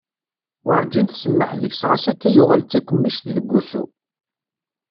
Werǧin tsemmeḥ deg-s ɣas akka yuɣal d takemmict deg wussu.